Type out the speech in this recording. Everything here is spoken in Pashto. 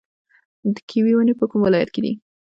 د کیوي ونې په کوم ولایت کې دي؟